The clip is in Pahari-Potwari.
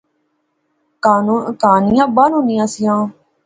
کہانیاں بانونیاں سیاں